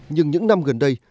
nhưng những năm gần đây